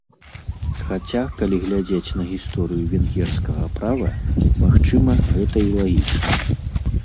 Хаця, калі глядзець на гісторыю венгерскага права, магчыма, гэта і лагічна.